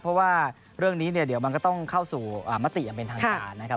เพราะว่าเรื่องนี้เนี่ยเดี๋ยวมันก็ต้องเข้าสู่มติอย่างเป็นทางการนะครับ